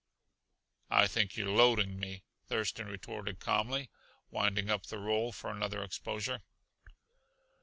"I think you're loading me," Thurston retorted calmly, winding up the roll for another exposure.